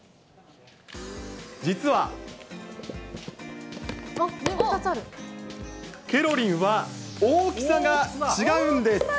実は、ケロリンは大きさが違うんです。